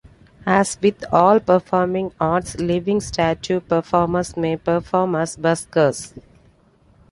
As with all performing arts, living statue performers may perform as buskers.